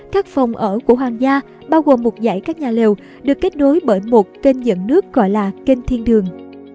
các phòng ở của hoàng gia bao gồm một dãy các nhà liều được kết nối bởi một kênh dẫn nước gọi là kênh thiên đường